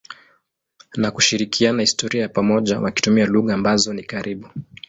na kushirikiana historia ya pamoja wakitumia lugha ambazo ni karibu.